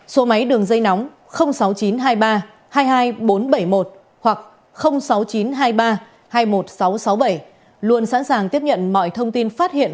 số máy đường dây nóng sáu mươi chín hai mươi ba hai mươi hai nghìn bốn trăm bảy mươi một hoặc sáu mươi chín hai mươi ba hai mươi một nghìn sáu trăm sáu mươi bảy luôn sẵn sàng tiếp nhận mọi thông tin phát hiện